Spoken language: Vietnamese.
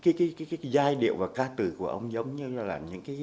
cái giai điệu và ca từ của ông giống như là